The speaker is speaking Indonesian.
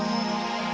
orang itu apa sih